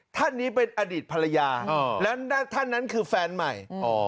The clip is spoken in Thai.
ท่านนี้เป็นอดีตภรรยาและท่านนั้นคือแฟนใหม่